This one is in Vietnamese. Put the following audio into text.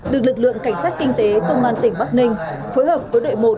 được lực lượng cảnh sát kinh tế công an tỉnh bắc ninh phối hợp với đội một